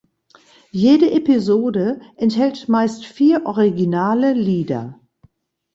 Jede Episode enthält meist vier originale Lieder.